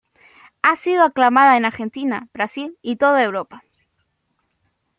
Ha sido aclamada en Argentina, Brasil y toda Europa.